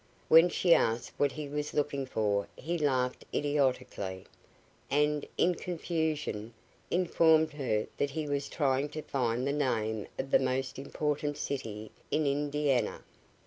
When she asked what he was looking for he laughed idiotically, and, in confusion, informed her that he was trying to find the name of the most important city in Indiana.